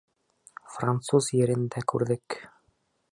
Француз ерен дә күрҙек